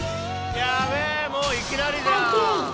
やべー、もういきなりじゃん。